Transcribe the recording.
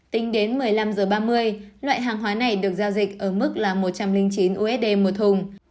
tính đến một mươi năm h ba mươi loại hàng hóa này được giao dịch ở mức là một trăm linh chín usd một thùng